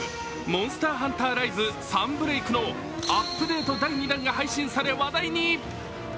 「モンスターハンターライズ：サンブレイク」のアップデート第２弾が配信され、話題に。